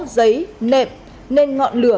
giấy nệm nên ngọn lửa